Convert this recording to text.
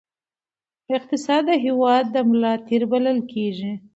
اقتصاد د هېواد د ملا تیر بلل کېږي.